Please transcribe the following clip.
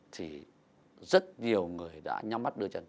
thì rất nhiều người đã nhắm mắt đưa chân